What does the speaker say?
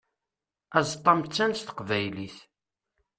Aẓeṭṭa amettan s teqbaylit.